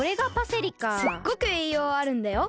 すっごく栄養あるんだよ。